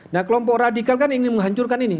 nah kelompok radikal kan ingin menghancurkan ini